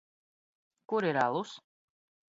Kur ir alus?